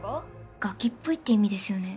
ガキっぽいって意味ですよね？